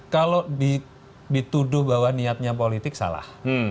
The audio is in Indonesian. kalau dituduh bahwa niatnya politik salah